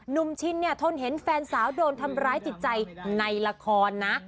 นุ่มชินทนเห็นแฟนสาวโดนทำร้ายติดใจในละครนะ